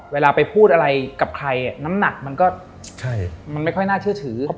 เวลาไปพูดอะไรกับใครน้ำหนักมันก็มันไม่ค่อยน่าเชื่อถือ